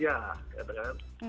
ya betul kan